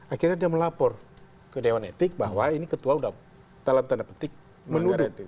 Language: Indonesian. akhirnya dia melapor ke dewan etik bahwa ini ketua sudah dalam tanda petik menuduh